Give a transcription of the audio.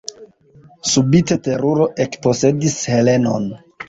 Subite teruro ekposedis Helenon.